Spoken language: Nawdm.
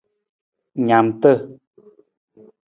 Naamta.